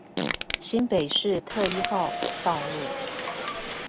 新北市特一號道路